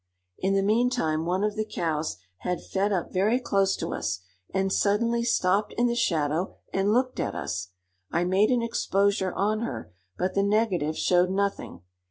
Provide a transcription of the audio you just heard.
In the mean time one of the cows had fed up very close to us, and suddenly stopped in the shadow and looked at us. I made an exposure on her, but the negative showed nothing.